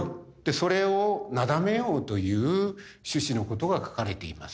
それをなだめようという趣旨の事が書かれています。